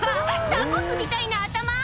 タコスみたいな頭！